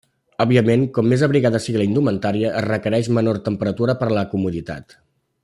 Òbviament, com més abrigada sigui la indumentària, es requereix menor temperatura per a la comoditat.